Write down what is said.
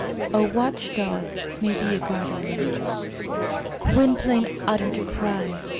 A WATCH DOG MAY BE A GUARDIAN ANGEL. Gwynplaine uttered a cry.